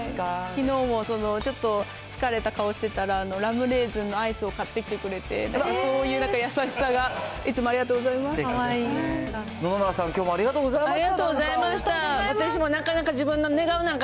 きのうもちょっと疲れた顔してたら、ラムレーズンのアイスを買ってきてくれて、そういうなんか優しさが、いつもありがとうございます。